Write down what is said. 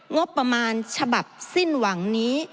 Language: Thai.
งบประมาณฉบับสิ้นหวังนี้